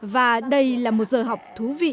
và đây là một giờ học thú vị